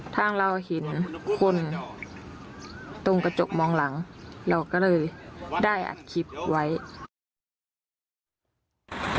ทางเราเห็นคนตรงกระจกมองหลังเราก็เลยได้อัดคลิปไว้